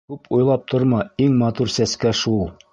— Күп уйлап торма, иң матур сәскә шул...